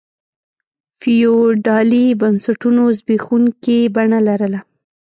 فیوډالي بنسټونو زبېښونکي بڼه لرله.